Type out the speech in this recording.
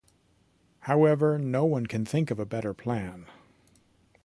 However, no-one can think of a better plan.